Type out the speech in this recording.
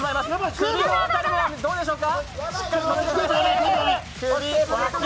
首の辺りもどうでしょうか。